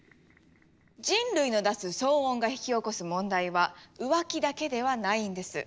人類の出す騒音が引き起こす問題は浮気だけではないんです。